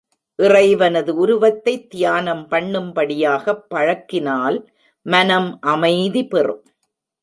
இறைவனது உருவத்தைத் தியானம் பண்ணும்படியாகப் பழக்கினால் மனம் அமைதி பெறும்.